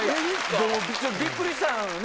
びっくりしたんよね